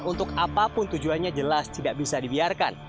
untuk apapun tujuannya jelas tidak bisa dibiarkan